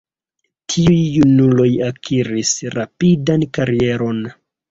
Tiuj junuloj akiris rapidan karieron.